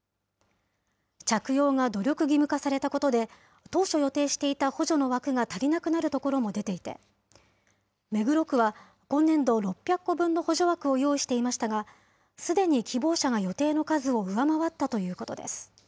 着用が努力義務化されたことで、当初予定していた補助の枠が足りなくなる所も出ていて、目黒区は今年度６００個分の補助枠を用意していましたが、すでに希望者が予定の数を上回ったということです。